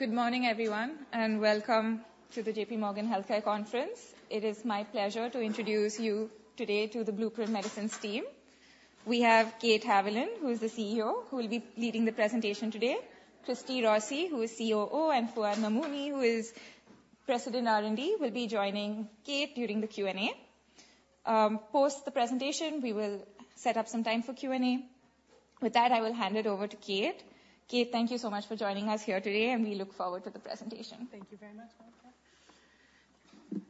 Good morning, everyone, and welcome to the JPMorgan Healthcare Conference. It is my pleasure to introduce you today to the Blueprint Medicines team. We have Kate Haviland, who is the CEO, who will be leading the presentation today, Christy Rossi, who is COO, and Fouad Namouni, who is President R&D, will be joining Kate during the Q&A. Post the presentation, we will set up some time for Q&A. With that, I will hand it over to Kate. Kate, thank you so much for joining us here today, and we look forward to the presentation. Thank you very much, Malika.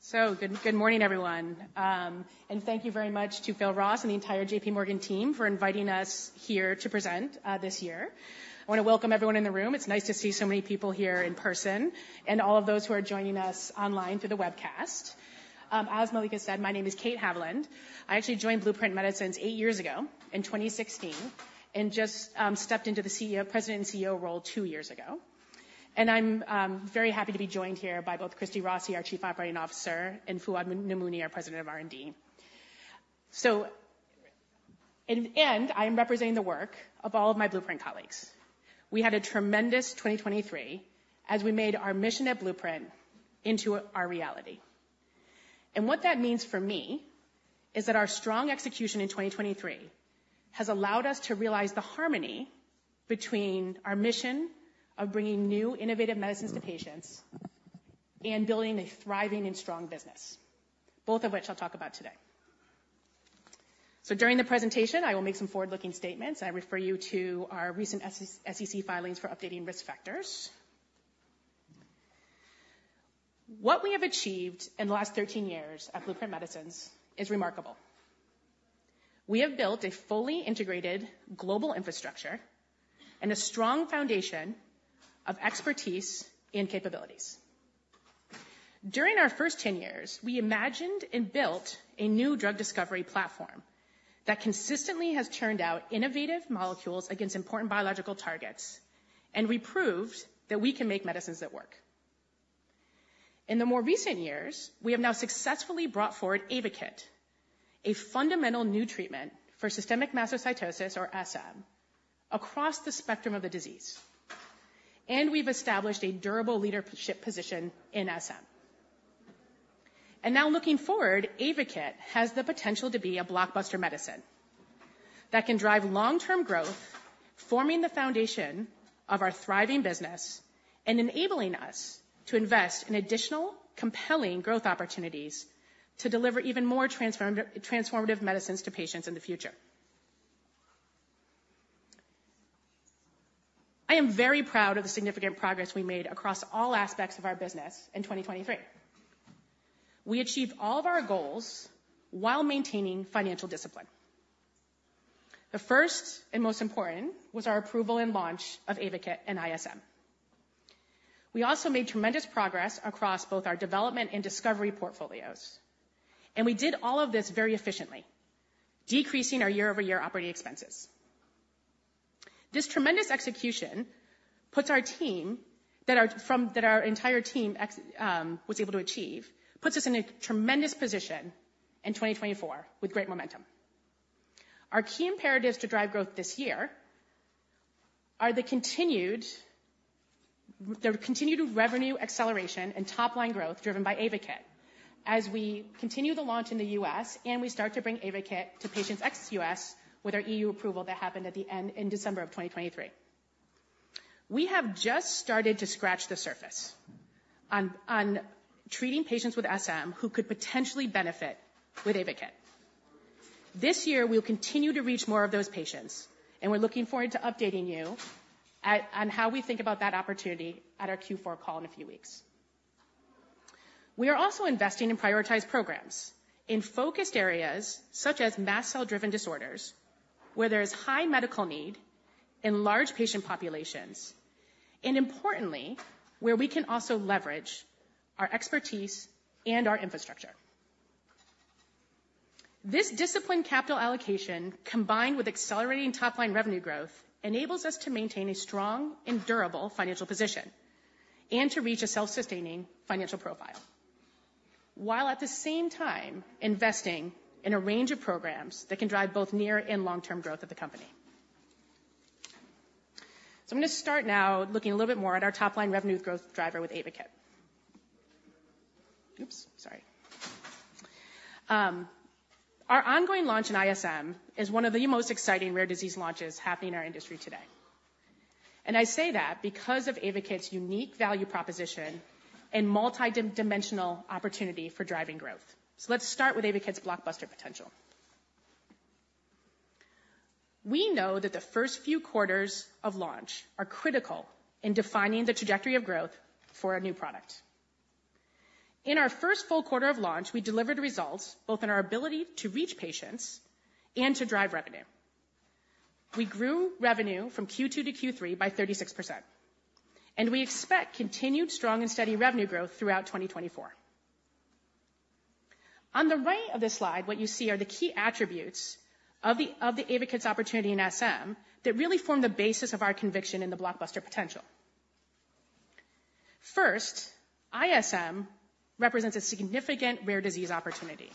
So, good morning, everyone, and thank you very much to Phil Ross and the entire JPMorgan team for inviting us here to present this year. I want to welcome everyone in the room. It's nice to see so many people here in person and all of those who are joining us online through the webcast. As Malika said, my name is Kate Haviland. I actually joined Blueprint Medicines eight years ago in 2016, and just stepped into the President and CEO role two years ago. I'm very happy to be joined here by both Christy Rossi, our Chief Operating Officer, and Fouad Namouni, our President of R&D. So, in the end, I am representing the work of all of my Blueprint colleagues. We had a tremendous 2023 as we made our mission at Blueprint into our reality. What that means for me is that our strong execution in 2023 has allowed us to realize the harmony between our mission of bringing new innovative medicines to patients and building a thriving and strong business, both of which I'll talk about today. During the presentation, I will make some forward-looking statements. I refer you to our recent SEC filings for updated risk factors. What we have achieved in the last 13 years at Blueprint Medicines is remarkable. We have built a fully integrated global infrastructure and a strong foundation of expertise and capabilities. During our first 10 years, we imagined and built a new drug discovery platform that consistently has churned out innovative molecules against important biological targets, and we proved that we can make medicines that work. In the more recent years, we have now successfully brought forward AYVAKIT, a fundamental new treatment for systemic mastocytosis, or SM, across the spectrum of the disease. We've established a durable leadership position in SM. Now, looking forward, AYVAKIT has the potential to be a blockbuster medicine that can drive long-term growth, forming the foundation of our thriving business and enabling us to invest in additional compelling growth opportunities to deliver even more transformative medicines to patients in the future. I am very proud of the significant progress we made across all aspects of our business in 2023. We achieved all of our goals while maintaining financial discipline. The first and most important was our approval and launch of AYVAKIT in ISM. We also made tremendous progress across both our development and discovery portfolios, and we did all of this very efficiently, decreasing our year-over-year operating expenses. This tremendous execution that our entire team was able to achieve puts us in a tremendous position in 2024 with great momentum. Our key imperatives to drive growth this year are the continued revenue acceleration and top-line growth driven by AYVAKIT. As we continue the launch in the U.S., and we start to bring AYVAKIT to patients ex-U.S. with our E.U. approval that happened at the end in December of 2023. We have just started to scratch the surface on treating patients with SM who could potentially benefit with AYVAKIT. This year, we'll continue to reach more of those patients, and we're looking forward to updating you on how we think about that opportunity at our Q4 call in a few weeks. We are also investing in prioritized programs in focused areas such as mast cell-driven disorders, where there is high medical need in large patient populations, and importantly, where we can also leverage our expertise and our infrastructure. This disciplined capital allocation, combined with accelerating top-line revenue growth, enables us to maintain a strong and durable financial position and to reach a self-sustaining financial profile, while at the same time investing in a range of programs that can drive both near and long-term growth of the company. So I'm going to start now looking a little bit more at our top-line revenue growth driver with AYVAKIT. Oops, sorry. Our ongoing launch in ISM is one of the most exciting rare disease launches happening in our industry today. I say that because of AYVAKIT's unique value proposition and multidimensional opportunity for driving growth. Let's start with AYVAKIT's blockbuster potential. We know that the first few quarters of launch are critical in defining the trajectory of growth for a new product. In our first full quarter of launch, we delivered results both in our ability to reach patients and to drive revenue. We grew revenue from Q2 to Q3 by 36%, and we expect continued, strong, and steady revenue growth throughout 2024. On the right of this slide, what you see are the key attributes of the AYVAKIT's opportunity in SM that really form the basis of our conviction in the blockbuster potential. First, ISM represents a significant rare disease opportunity....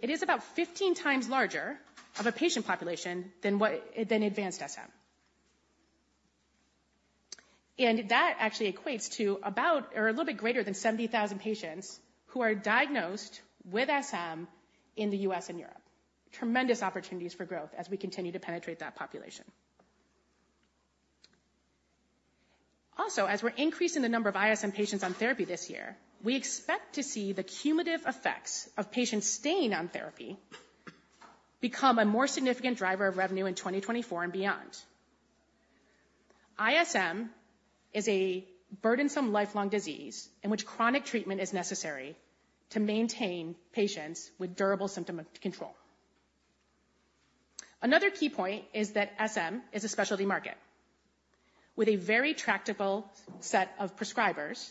It is about 15 times larger of a patient population than what, than advanced SM. That actually equates to about or a little bit greater than 70,000 patients who are diagnosed with SM in the U.S. and Europe. Tremendous opportunities for growth as we continue to penetrate that population. Also, as we're increasing the number of ISM patients on therapy this year, we expect to see the cumulative effects of patients staying on therapy become a more significant driver of revenue in 2024 and beyond. ISM is a burdensome, lifelong disease in which chronic treatment is necessary to maintain patients with durable symptom control. Another key point is that SM is a specialty market with a very tractable set of prescribers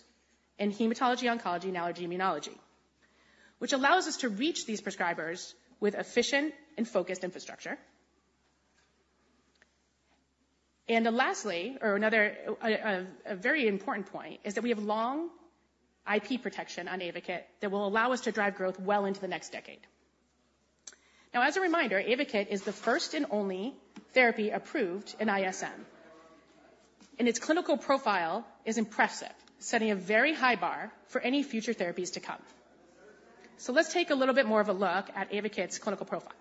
in hematology, oncology, and allergy immunology, which allows us to reach these prescribers with efficient and focused infrastructure. And lastly, another very important point is that we have long IP protection on AYVAKIT that will allow us to drive growth well into the next decade. Now, as a reminder, AYVAKIT is the first and only therapy approved in ISM, and its clinical profile is impressive, setting a very high bar for any future therapies to come. So let's take a little bit more of a look at AYVAKIT's clinical profile.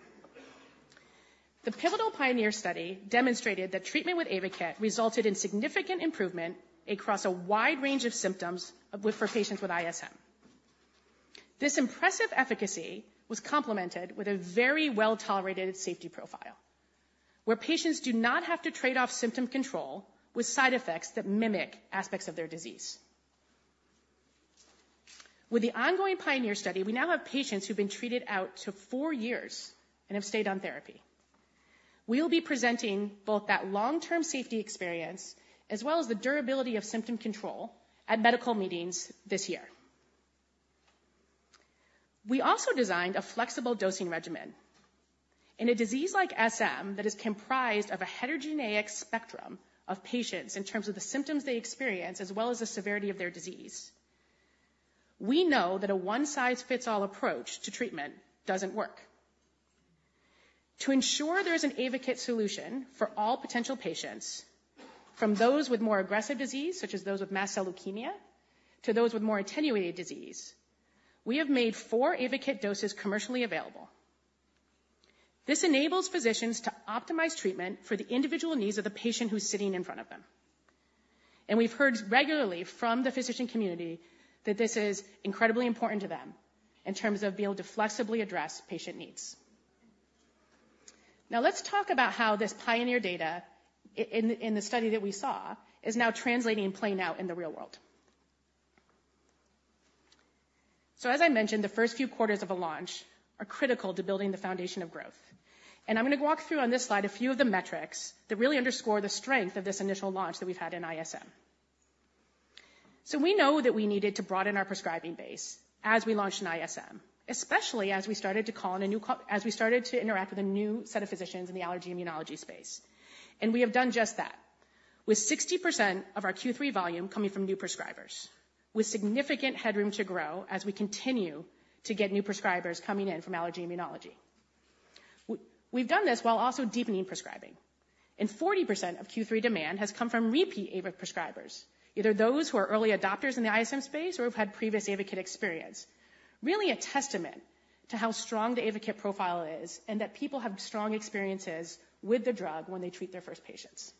The pivotal PIONEER study demonstrated that treatment with AYVAKIT resulted in significant improvement across a wide range of symptoms for patients with ISM. This impressive efficacy was complemented with a very well-tolerated safety profile, where patients do not have to trade off symptom control with side effects that mimic aspects of their disease. With the ongoing PIONEER study, we now have patients who've been treated out to four years and have stayed on therapy. We'll be presenting both that long-term safety experience as well as the durability of symptom control at medical meetings this year. We also designed a flexible dosing regimen. In a disease like SM that is comprised of a heterogeneous spectrum of patients in terms of the symptoms they experience as well as the severity of their disease, we know that a one-size-fits-all approach to treatment doesn't work. To ensure there's an AYVAKIT solution for all potential patients, from those with more aggressive disease, such as those with mast cell leukemia, to those with more attenuated disease, we have made four AYVAKIT doses commercially available. This enables physicians to optimize treatment for the individual needs of the patient who's sitting in front of them. We've heard regularly from the physician community that this is incredibly important to them in terms of being able to flexibly address patient needs. Now, let's talk about how this PIONEER data in the study that we saw is now translating and playing out in the real world. As I mentioned, the first few quarters of a launch are critical to building the foundation of growth. I'm going to walk through on this slide a few of the metrics that really underscore the strength of this initial launch that we've had in ISM. We know that we needed to broaden our prescribing base as we launched in ISM, especially as we started to interact with a new set of physicians in the allergy immunology space. And we have done just that, with 60% of our Q3 volume coming from new prescribers, with significant headroom to grow as we continue to get new prescribers coming in from allergy immunology. We've done this while also deepening prescribing, and 40% of Q3 demand has come from repeat AYVAKIT prescribers, either those who are early adopters in the ISM space or have had previous AYVAKIT experience. Really a testament to how strong the AYVAKIT profile is and that people have strong experiences with the drug when they treat their first patients.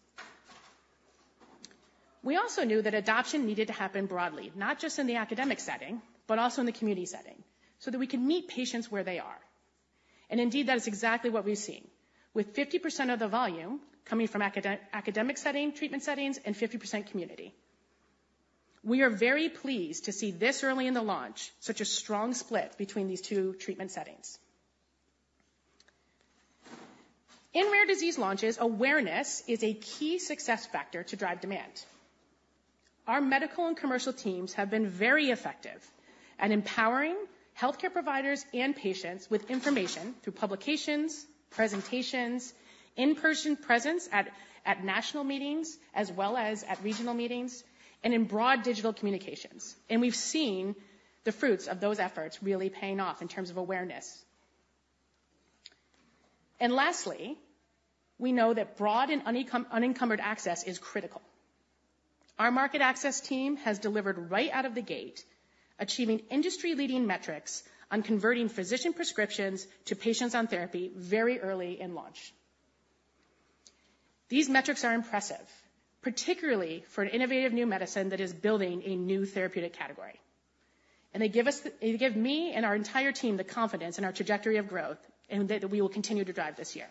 We also knew that adoption needed to happen broadly, not just in the academic setting, but also in the community setting, so that we can meet patients where they are. And indeed, that is exactly what we've seen, with 50% of the volume coming from academic setting, treatment settings, and 50% community. We are very pleased to see this early in the launch, such a strong split between these two treatment settings. In rare disease launches, awareness is a key success factor to drive demand. Our medical and commercial teams have been very effective at empowering healthcare providers and patients with information through publications, presentations, in-person presence at national meetings, as well as at regional meetings, and in broad digital communications. We've seen the fruits of those efforts really paying off in terms of awareness. And lastly, we know that broad and unencumbered access is critical. Our market access team has delivered right out of the gate, achieving industry-leading metrics on converting physician prescriptions to patients on therapy very early in launch. These metrics are impressive, particularly for an innovative new medicine that is building a new therapeutic category. They give us the—they give me and our entire team the confidence in our trajectory of growth, and that we will continue to drive this year.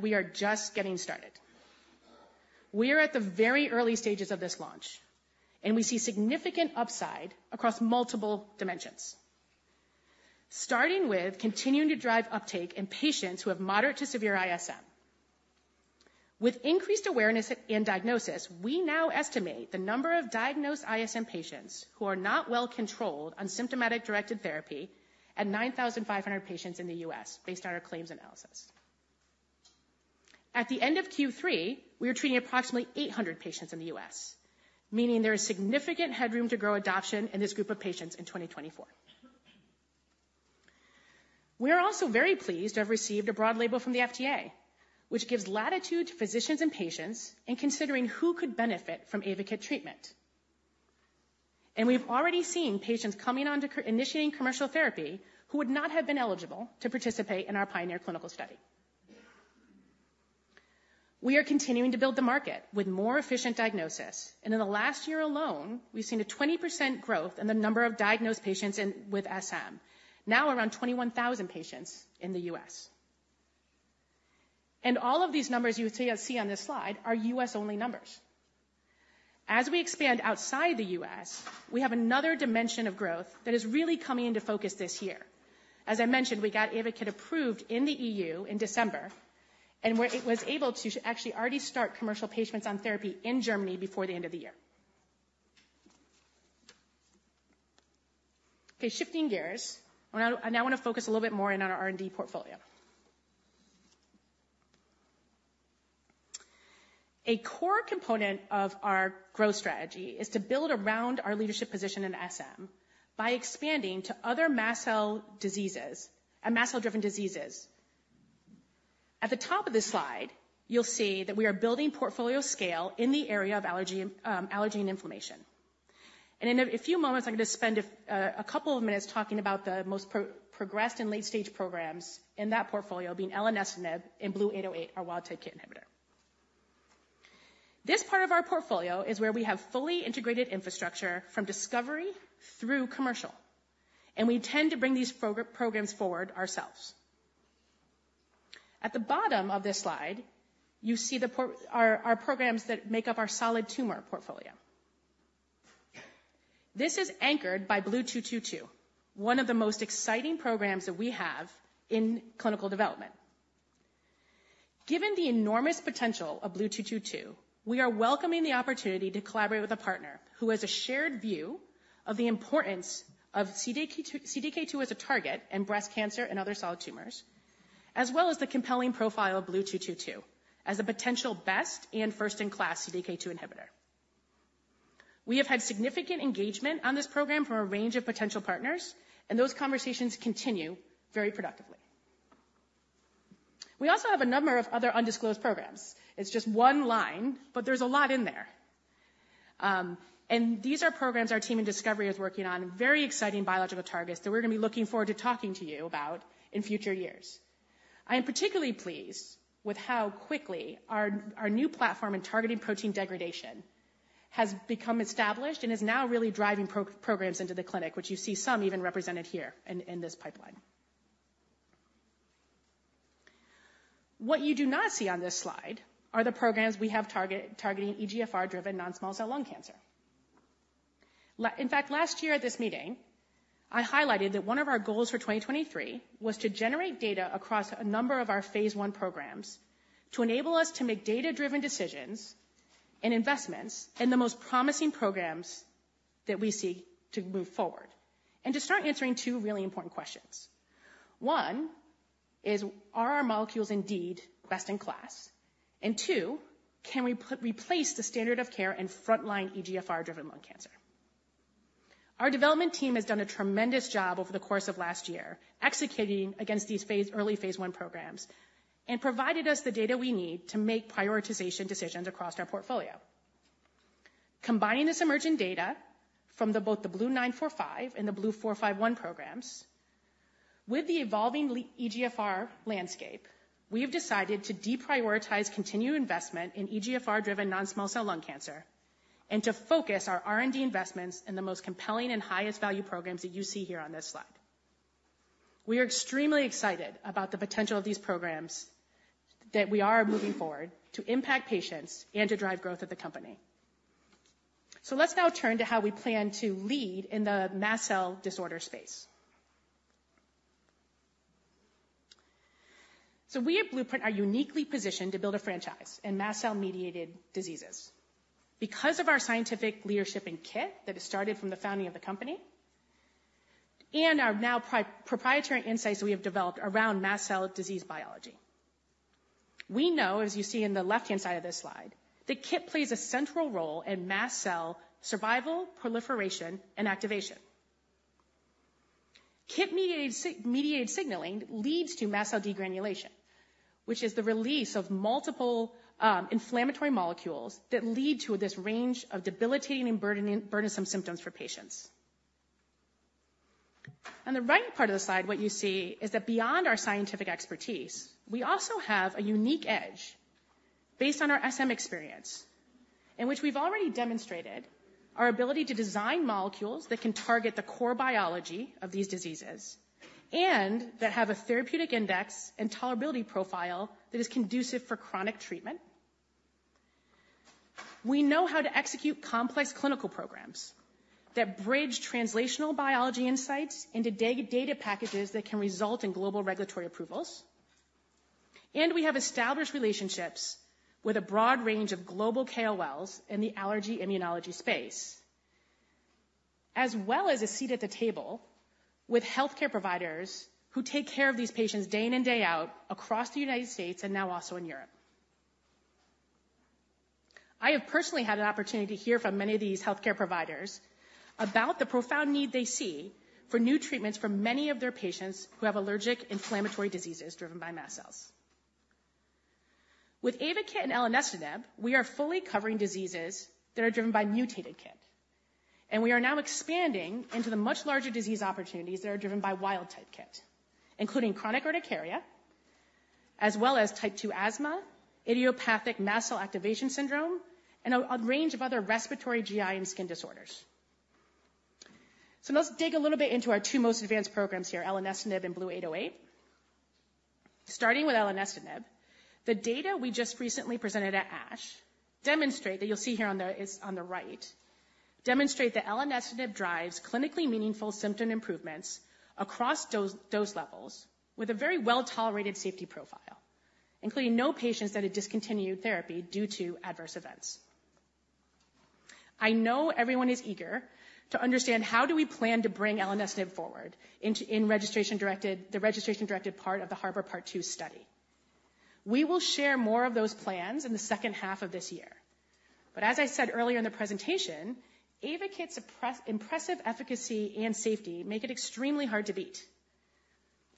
We are just getting started. We are at the very early stages of this launch, and we see significant upside across multiple dimensions, starting with continuing to drive uptake in patients who have moderate to severe ISM. With increased awareness and diagnosis, we now estimate the number of diagnosed ISM patients who are not well controlled on symptomatic-directed therapy at 9,500 patients in the U.S., based on our claims analysis. At the end of Q3, we were treating approximately 800 patients in the U.S., meaning there is significant headroom to grow adoption in this group of patients in 2024. We are also very pleased to have received a broad label from the FDA, which gives latitude to physicians and patients in considering who could benefit from AYVAKIT treatment. We've already seen patients coming on to initiating commercial therapy, who would not have been eligible to participate in our PIONEER clinical study. We are continuing to build the market with more efficient diagnosis, and in the last year alone, we've seen a 20% growth in the number of diagnosed patients in with SM, now around 21,000 patients in the U.S. All of these numbers you see on this slide are U.S.-only numbers. As we expand outside the U.S., we have another dimension of growth that is really coming into focus this year. As I mentioned, we got AYVAKIT approved in the EU in December, and it was able to actually already start commercial patients on therapy in Germany before the end of the year. Okay, shifting gears, I now want to focus a little bit more in on our R&D portfolio. A core component of our growth strategy is to build around our leadership position in SM by expanding to other mast cell diseases, mast cell-driven diseases. At the top of this slide, you'll see that we are building portfolio scale in the area of allergy and inflammation. And in a few moments, I'm going to spend a couple of minutes talking about the most progressed and late-stage programs in that portfolio, being elenestinib and BLU-808, our wild-type KIT inhibitor. This part of our portfolio is where we have fully integrated infrastructure from discovery through commercial, and we tend to bring these programs forward ourselves. At the bottom of this slide, you see our programs that make up our solid tumor portfolio. This is anchored by BLU-222, one of the most exciting programs that we have in clinical development. Given the enormous potential of BLU-222, we are welcoming the opportunity to collaborate with a partner who has a shared view of the importance of CDK2, CDK2 as a target in breast cancer and other solid tumors, as well as the compelling profile of BLU-222 as a potential best and first-in-class CDK2 inhibitor. We have had significant engagement on this program from a range of potential partners, and those conversations continue very productively. We also have a number of other undisclosed programs. It's just one line, but there's a lot in there. And these are programs our team in discovery is working on, very exciting biological targets that we're going to be looking forward to talking to you about in future years. I am particularly pleased with how quickly our new platform in targeting protein degradation has become established and is now really driving programs into the clinic, which you see some even represented here in this pipeline. What you do not see on this slide are the programs we have targeting EGFR-driven non-small cell lung cancer. In fact, last year at this meeting, I highlighted that one of our goals for 2023 was to generate data across a number of our phase I programs to enable us to make data-driven decisions and investments in the most promising programs that we see to move forward and to start answering two really important questions. One, is, are our molecules indeed best in class? And two, can we replace the standard of care in frontline EGFR-driven lung cancer? Our development team has done a tremendous job over the course of last year, executing against these early phase I programs and provided us the data we need to make prioritization decisions across our portfolio. Combining this emerging data from both the BLU-945 and the BLU-451 programs with the evolving EGFR landscape, we have decided to deprioritize continued investment in EGFR-driven non-small cell lung cancer and to focus our R&D investments in the most compelling and highest value programs that you see here on this slide. We are extremely excited about the potential of these programs that we are moving forward to impact patients and to drive growth of the company. So let's now turn to how we plan to lead in the mast cell disorder space. So we at Blueprint are uniquely positioned to build a franchise in mast cell-mediated diseases because of our scientific leadership in KIT, that has started from the founding of the company, and our now proprietary insights we have developed around mast cell disease biology. We know, as you see in the left-hand side of this slide, that KIT plays a central role in mast cell survival, proliferation, and activation. KIT-mediated signaling leads to mast cell degranulation, which is the release of multiple inflammatory molecules that lead to this range of debilitating and burdensome symptoms for patients. On the right part of the slide, what you see is that beyond our scientific expertise, we also have a unique edge based on our SM experience, in which we've already demonstrated our ability to design molecules that can target the core biology of these diseases and that have a therapeutic index and tolerability profile that is conducive for chronic treatment. We know how to execute complex clinical programs that bridge translational biology insights into data packages that can result in global regulatory approvals. We have established relationships with a broad range of global KOLs in the allergy immunology space, as well as a seat at the table with healthcare providers who take care of these patients day in and day out across the United States and now also in Europe. I have personally had an opportunity to hear from many of these healthcare providers about the profound need they see for new treatments for many of their patients who have allergic inflammatory diseases driven by mast cells. With AYVAKIT and elenestinib, we are fully covering diseases that are driven by mutated KIT, and we are now expanding into the much larger disease opportunities that are driven by wild-type KIT, including chronic urticaria, as well as Type 2 asthma, idiopathic mast cell activation syndrome, and a range of other respiratory GI and skin disorders. So let's dig a little bit into our two most advanced programs here, elenestinib and BLU-808. Starting with elenestinib, the data we just recently presented at ASH demonstrate that you'll see here on the right demonstrate that elenestinib drives clinically meaningful symptom improvements across dose levels with a very well-tolerated safety profile, including no patients that had discontinued therapy due to adverse events. I know everyone is eager to understand how do we plan to bring elenestinib forward into the registration-directed part of the HARBOR Part 2 study. We will share more of those plans in the second half of this year. But as I said earlier in the presentation, AYVAKIT's impressive efficacy and safety make it extremely hard to beat.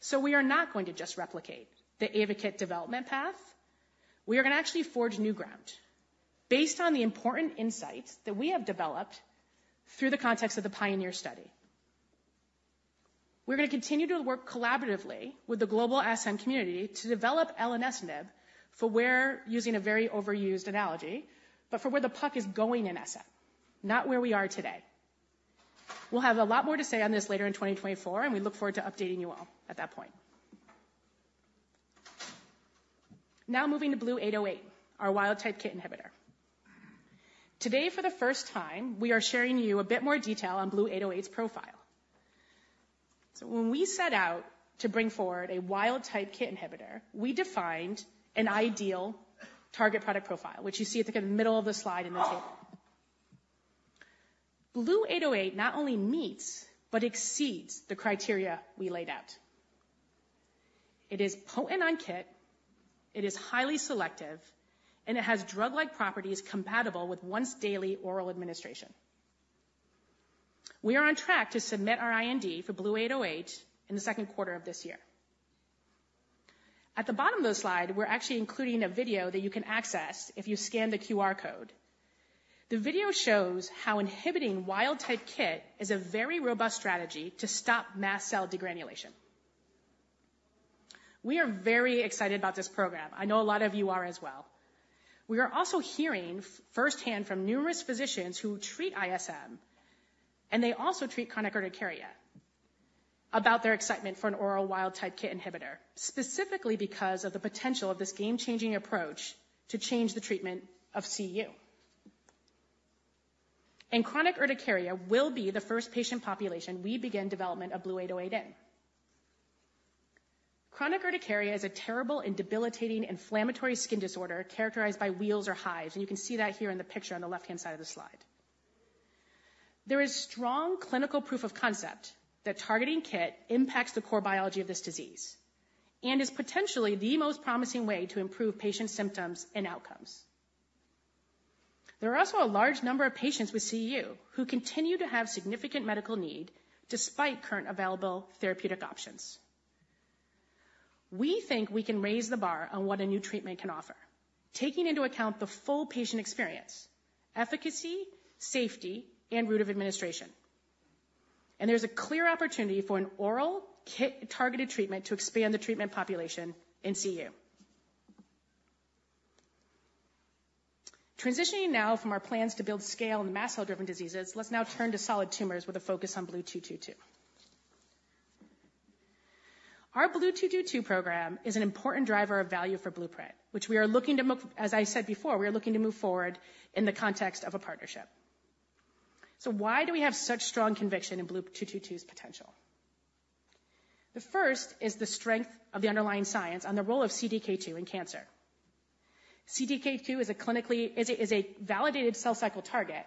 So we are not going to just replicate the AYVAKIT development path. We are going to actually forge new ground based on the important insights that we have developed through the context of the PIONEER study. We're going to continue to work collaboratively with the global SM community to develop elenestinib for where, using a very overused analogy, but for where the puck is going in SM, not where we are today. We'll have a lot more to say on this later in 2024, and we look forward to updating you all at that point. Now, moving to BLU-808, our wild-type KIT inhibitor. Today, for the first time, we are sharing you a bit more detail on BLU-808's profile. So when we set out to bring forward a wild-type KIT inhibitor, we defined an ideal target product profile, which you see at the middle of the slide in the table. BLU-808 not only meets but exceeds the criteria we laid out. It is potent on KIT, it is highly selective, and it has drug-like properties compatible with once-daily oral administration. We are on track to submit our IND for BLU-808 in the second quarter of this year. At the bottom of the slide, we're actually including a video that you can access if you scan the QR code. The video shows how inhibiting wild-type KIT is a very robust strategy to stop mast cell degranulation. We are very excited about this program. I know a lot of you are as well. We are also hearing firsthand from numerous physicians who treat ISM, and they also treat chronic urticaria, about their excitement for an oral wild-type KIT inhibitor, specifically because of the potential of this game-changing approach to change the treatment of CU. Chronic urticaria will be the first patient population we begin development of BLU-808 in. Chronic urticaria is a terrible and debilitating inflammatory skin disorder characterized by wheals or hives, and you can see that here in the picture on the left-hand side of the slide. There is strong clinical proof of concept that targeting KIT impacts the core biology of this disease and is potentially the most promising way to improve patient symptoms and outcomes. There are also a large number of patients with CU who continue to have significant medical need despite current available therapeutic options. We think we can raise the bar on what a new treatment can offer, taking into account the full patient experience, efficacy, safety, and route of administration. There's a clear opportunity for an oral KIT-targeted treatment to expand the treatment population in CU. Transitioning now from our plans to build scale in mast cell-driven diseases, let's now turn to solid tumors with a focus on BLU-222. Our BLU-222 program is an important driver of value for Blueprint, which we are looking to move forward, as I said before, in the context of a partnership. So why do we have such strong conviction in BLU-222's potential? The first is the strength of the underlying science on the role of CDK2 in cancer. CDK2 is a clinically validated cell cycle target,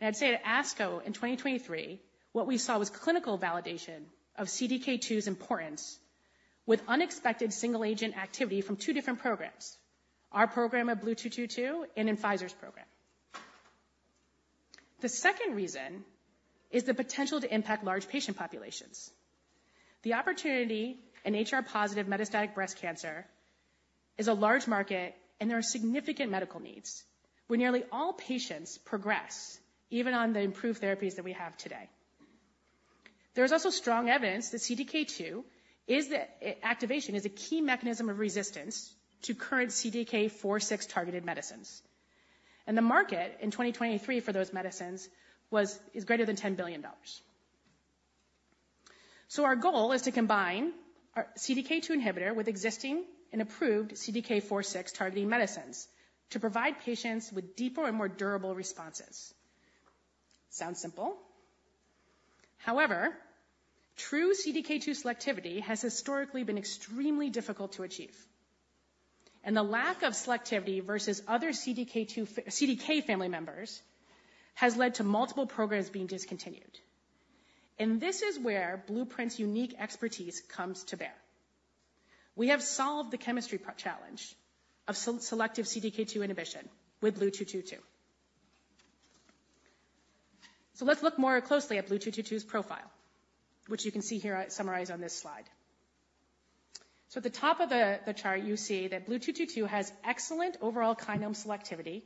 and I'd say at ASCO in 2023, what we saw was clinical validation of CDK2's importance with unexpected single-agent activity from two different programs: our program at BLU-222 and in Pfizer's program. The second reason is the potential to impact large patient populations. The opportunity in HR+ metastatic breast cancer is a large market, and there are significant medical needs, where nearly all patients progress even on the improved therapies that we have today. There's also strong evidence that CDK2 activation is a key mechanism of resistance to current CDK4/6 targeted medicines, and the market in 2023 for those medicines was, is greater than $10 billion. So our goal is to combine our CDK2 inhibitor with existing and approved CDK4/6 targeting medicines to provide patients with deeper and more durable responses. Sounds simple. However, true CDK2 selectivity has historically been extremely difficult to achieve. And the lack of selectivity versus other CDK family members has led to multiple programs being discontinued. And this is where Blueprint's unique expertise comes to bear. We have solved the chemistry challenge of selective CDK2 inhibition with BLU-222. So let's look more closely at BLU-222's profile, which you can see here, I summarized on this slide. So at the top of the chart, you see that BLU-222 has excellent overall kinome selectivity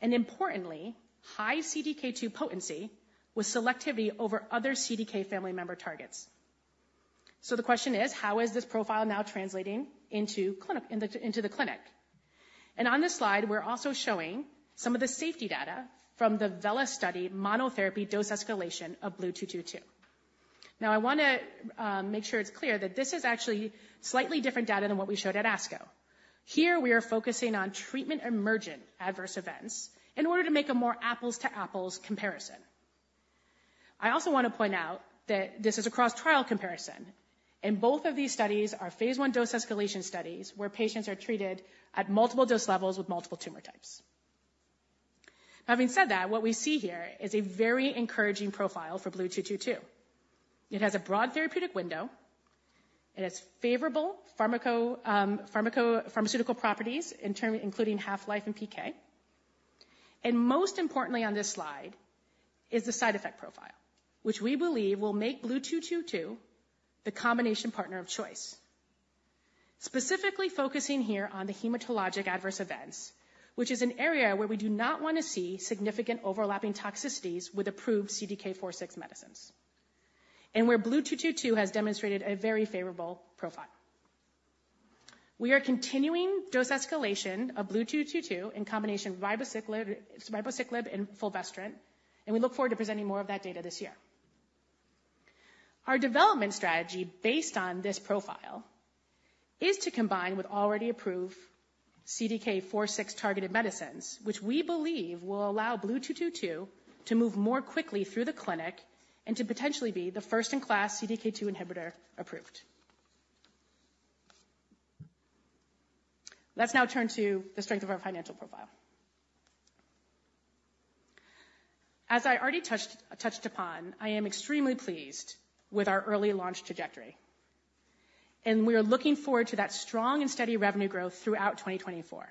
and importantly, high CDK2 potency with selectivity over other CDK family member targets. So the question is: How is this profile now translating into the clinic? And on this slide, we're also showing some of the safety data from the VELA study, monotherapy dose escalation of BLU-222. Now, I want to make sure it's clear that this is actually slightly different data than what we showed at ASCO. Here we are focusing on treatment-emergent adverse events in order to make a more apples-to-apples comparison. I also want to point out that this is a cross-trial comparison, and both of these studies are phase II dose escalation studies, where patients are treated at multiple dose levels with multiple tumor types. Having said that, what we see here is a very encouraging profile for BLU-222. It has a broad therapeutic window, it has favorable pharmacokinetic properties, including half-life and PK. And most importantly on this slide is the side effect profile, which we believe will make BLU-222 the combination partner of choice. Specifically focusing here on the hematologic adverse events, which is an area where we do not want to see significant overlapping toxicities with approved CDK4/6 medicines, and where BLU-222 has demonstrated a very favorable profile. We are continuing dose escalation of BLU-222 in combination with ribociclib and fulvestrant, and we look forward to presenting more of that data this year. Our development strategy, based on this profile, is to combine with already approved CDK4/6 targeted medicines, which we believe will allow BLU-222 to move more quickly through the clinic and to potentially be the first-in-class CDK2 inhibitor approved. Let's now turn to the strength of our financial profile. As I already touched upon, I am extremely pleased with our early launch trajectory, and we are looking forward to that strong and steady revenue growth throughout 2024.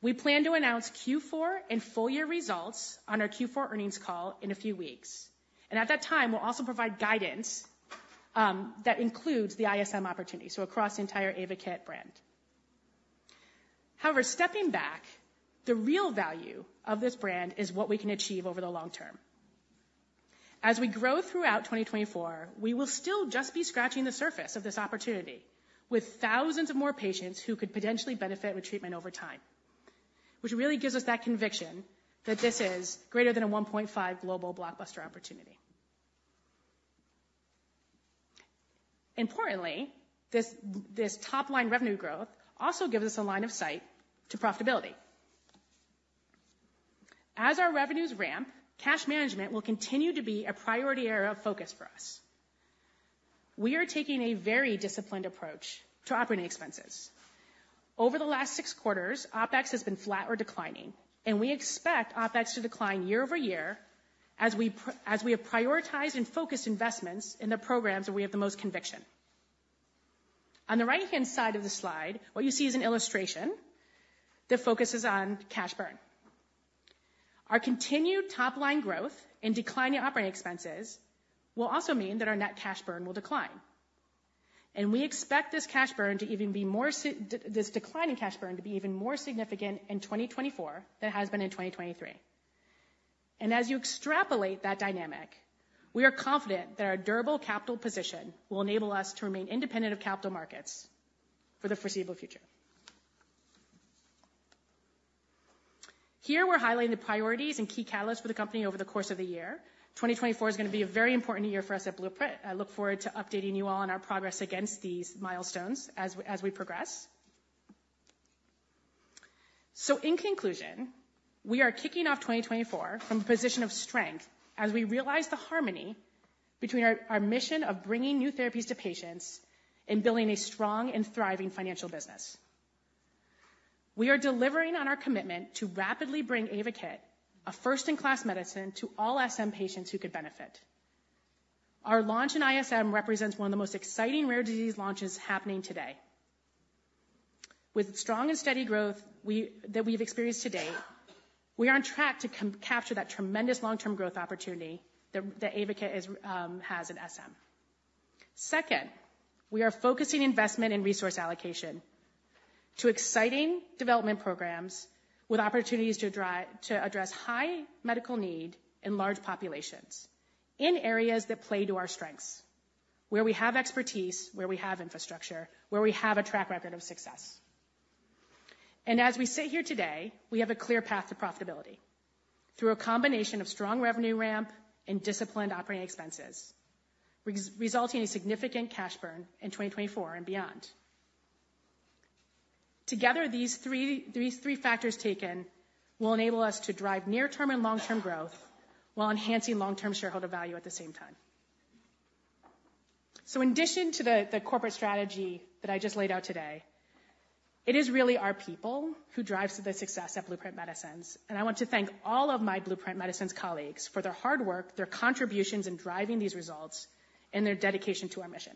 We plan to announce Q4 and full year results on our Q4 earnings call in a few weeks, and at that time, we'll also provide guidance that includes the ISM opportunity, so across the entire AYVAKIT brand. However, stepping back, the real value of this brand is what we can achieve over the long term. As we grow throughout 2024, we will still just be scratching the surface of this opportunity with thousands of more patients who could potentially benefit with treatment over time, which really gives us that conviction that this is greater than a 1.5 global blockbuster opportunity. Importantly, this top-line revenue growth also gives us a line of sight to profitability. As our revenues ramp, cash management will continue to be a priority area of focus for us. We are taking a very disciplined approach to operating expenses. Over the last six quarters, OpEx has been flat or declining, and we expect OpEx to decline year-over-year as we have prioritized and focused investments in the programs where we have the most conviction. On the right-hand side of the slide, what you see is an illustration that focuses on cash burn. Our continued top-line growth and decline in operating expenses will also mean that our net cash burn will decline. We expect this decline in cash burn to be even more significant in 2024 than it has been in 2023. And as you extrapolate that dynamic, we are confident that our durable capital position will enable us to remain independent of capital markets for the foreseeable future. Here, we're highlighting the priorities and key catalysts for the company over the course of the year. 2024 is going to be a very important year for us at Blueprint. I look forward to updating you all on our progress against these milestones as we progress. So in conclusion, we are kicking off 2024 from a position of strength as we realize the harmony between our our mission of bringing new therapies to patients and building a strong and thriving financial business. We are delivering on our commitment to rapidly bring AYVAKIT, a first-in-class medicine, to all SM patients who could benefit. Our launch in ISM represents one of the most exciting rare disease launches happening today. With strong and steady growth that we've experienced to date, we are on track to capture that tremendous long-term growth opportunity that that AYVAKIT has in SM. Second, we are focusing investment and resource allocation to exciting development programs with opportunities to address high medical need in large populations, in areas that play to our strengths, where we have expertise, where we have infrastructure, where we have a track record of success. As we sit here today, we have a clear path to profitability through a combination of strong revenue ramp and disciplined operating expenses, resulting in a significant cash burn in 2024 and beyond. Together, these three factors taken will enable us to drive near-term and long-term growth while enhancing long-term shareholder value at the same time.... So in addition to the corporate strategy that I just laid out today, it is really our people who drives the success at Blueprint Medicines. And I want to thank all of my Blueprint Medicines colleagues for their hard work, their contributions in driving these results, and their dedication to our mission.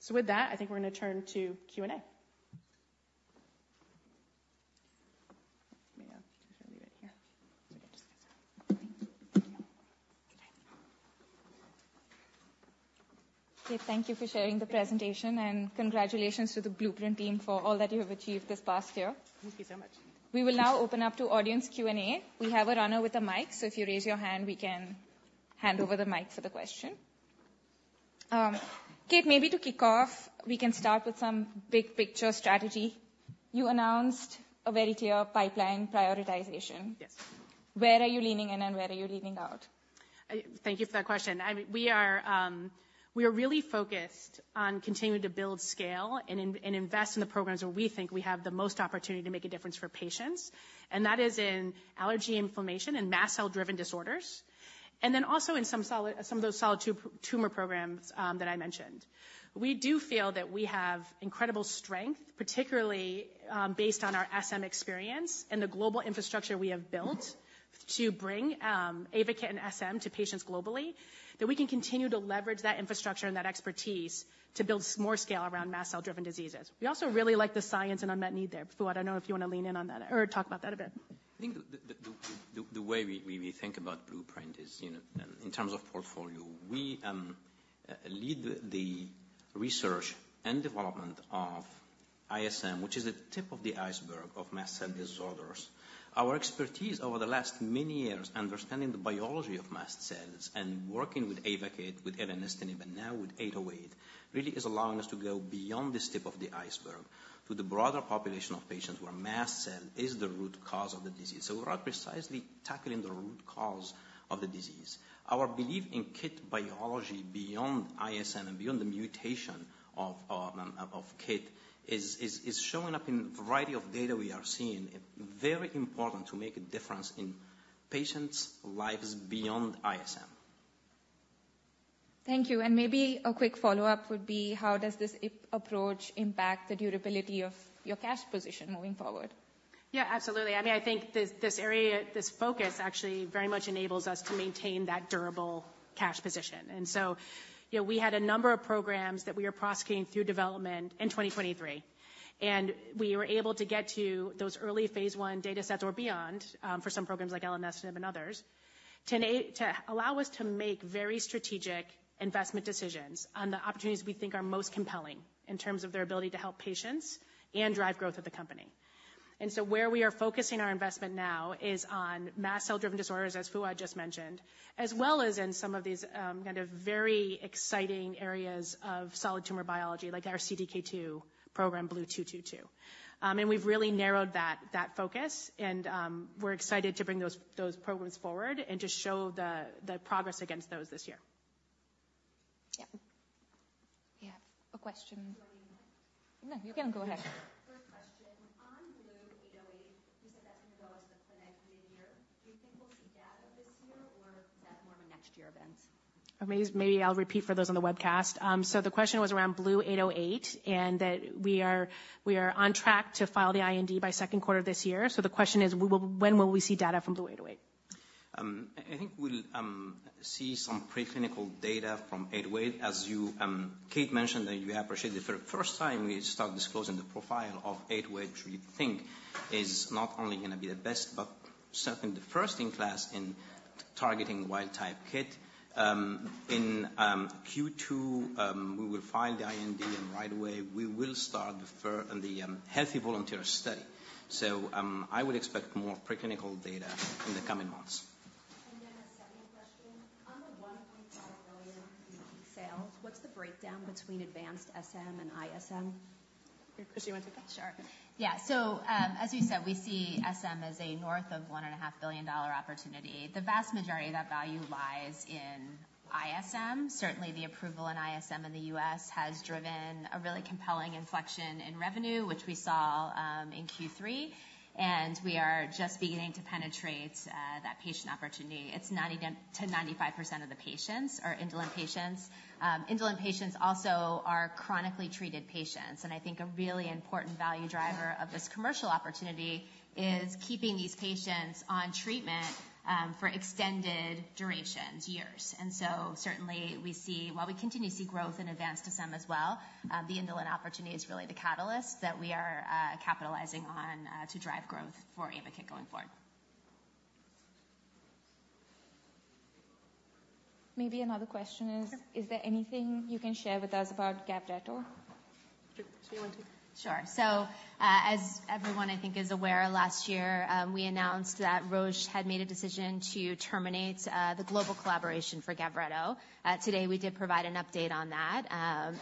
So with that, I think we're going to turn to Q&A. Maybe I'll leave it here. Okay, thank you for sharing the presentation, and congratulations to the Blueprint team for all that you have achieved this past year. Thank you so much. We will now open up to audience Q&A. We have a runner with a mic, so if you raise your hand, we can hand over the mic for the question. Kate, maybe to kick off, we can start with some big picture strategy. You announced a very clear pipeline prioritization. Yes. Where are you leaning in, and where are you leaving out? Thank you for that question. I mean, we are really focused on continuing to build scale and invest in the programs where we think we have the most opportunity to make a difference for patients, and that is in allergy, inflammation, and mast cell-driven disorders, and then also in some of those solid tumor programs that I mentioned. We do feel that we have incredible strength, particularly, based on our SM experience and the global infrastructure we have built to bring AYVAKIT and SM to patients globally, that we can continue to leverage that infrastructure and that expertise to build more scale around mast cell-driven diseases. We also really like the science and unmet need there. Fouad, I don't know if you want to lean in on that or talk about that a bit. I think the way we think about Blueprint is, you know, in terms of portfolio, we lead the research and development of ISM, which is the tip of the iceberg of mast cell disorders. Our expertise over the last many years, understanding the biology of mast cells and working with AYVAKIT, with elenestinib, and now with BLU-808, really is allowing us to go beyond this tip of the iceberg to the broader population of patients where mast cell is the root cause of the disease. So we're precisely tackling the root cause of the disease. Our belief in KIT biology beyond ISM and beyond the mutation of KIT is showing up in a variety of data we are seeing, and very important to make a difference in patients' lives beyond ISM. Thank you. Maybe a quick follow-up would be: How does this approach impact the durability of your cash position moving forward? Yeah, absolutely. I mean, I think this, this area, this focus, actually very much enables us to maintain that durable cash position. And so, you know, we had a number of programs that we are prosecuting through development in 2023, and we were able to get to those early phase I datasets or beyond, for some programs like elenestinib and others, to allow us to make very strategic investment decisions on the opportunities we think are most compelling in terms of their ability to help patients and drive growth of the company. And so where we are focusing our investment now is on mast cell-driven disorders, as Fouad just mentioned, as well as in some of these, kind of very exciting areas of solid tumor biology, like our CDK2 program, BLU-222. And we've really narrowed that focus and we're excited to bring those programs forward and just show the progress against those this year. Yeah. Yeah. A question- Do you want me to? No, you can go ahead. First question. On BLU-808, you said that's going to go into the clinic midyear. Do you think we'll see data this year, or is that more of a next year event? Maybe, maybe I'll repeat for those on the webcast. So the question was around BLU-808, and that we are, we are on track to file the I&D by second quarter of this year. So the question is: When will we see data from BLU-808? I think we'll see some preclinical data from 808. As you, Kate mentioned that you appreciate the first time we start disclosing the profile of 808, which we think is not only going to be the best, but certainly the first in class in targeting wild-type KIT. In Q2, we will file the IND, and right away, we will start the healthy volunteer study. So, I would expect more preclinical data in the coming months. And then a second question: On the $1.5 billion in sales, what's the breakdown between advanced SM and ISM? Christy, you want to take that? Sure. Yeah, so, as you said, we see SM as a north of $1.5 billion opportunity. The vast majority of that value lies in ISM. Certainly, the approval in ISM in the U.S. has driven a really compelling inflection in revenue, which we saw in Q3, and we are just beginning to penetrate that patient opportunity. It's 90%-95% of the patients are indolent patients. Indolent patients also are chronically treated patients, and I think a really important value driver of this commercial opportunity is keeping these patients on treatment for extended durations, years. And so certainly, we see... While we continue to see growth in advanced SM as well, the indolent opportunity is really the catalyst that we are capitalizing on to drive growth for AYVAKIT going forward. Maybe another question is- Sure. Is there anything you can share with us about GAVRETO? Sure. Do you want to? Sure. So, as everyone I think is aware, last year, we announced that Roche had made a decision to terminate the global collaboration for GAVRETO. Today, we did provide an update on that,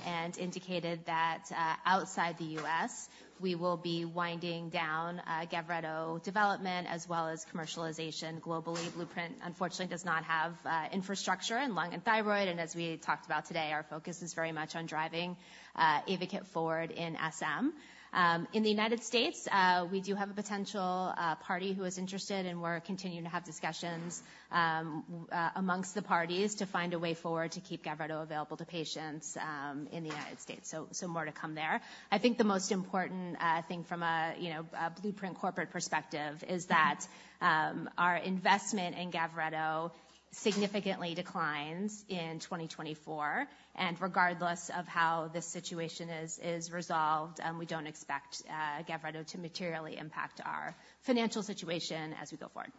and indicated that outside the US, we will be winding down GAVRETO development as well as commercialization globally. Blueprint, unfortunately, does not have infrastructure in lung and thyroid, and as we talked about today, our focus is very much on driving AYVAKIT forward in SM. In the United States, we do have a potential party who is interested, and we're continuing to have discussions amongst the parties to find a way forward to keep GAVRETO available to patients in the United States. So, more to come there. I think the most important thing from a, you know, a Blueprint corporate perspective is that our investment in GAVRETO significantly declines in 2024, and regardless of how this situation is resolved, we don't expect GAVRETO to materially impact our financial situation as we go forward.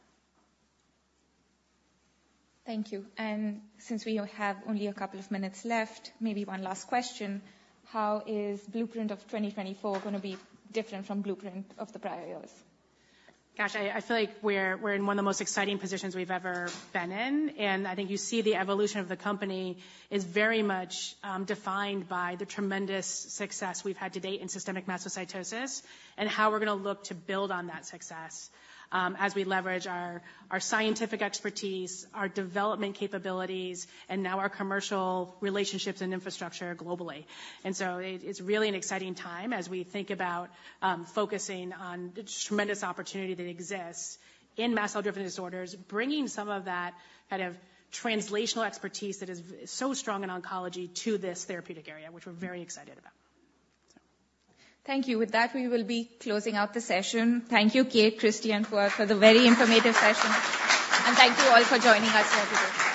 Thank you. And since we have only a couple of minutes left, maybe one last question: How is Blueprint of 2024 gonna be different from Blueprint of the prior years? Gosh, I feel like we're in one of the most exciting positions we've ever been in. I think you see the evolution of the company is very much defined by the tremendous success we've had to date in systemic mastocytosis and how we're gonna look to build on that success as we leverage our scientific expertise, our development capabilities, and now our commercial relationships and infrastructure globally. So it's really an exciting time as we think about focusing on the tremendous opportunity that exists in mast cell-driven disorders, bringing some of that kind of translational expertise that is so strong in oncology to this therapeutic area, which we're very excited about. So... Thank you. With that, we will be closing out the session. Thank you, Kate, Christy, and Fouad, for the very informative session, and thank you all for joining us here today.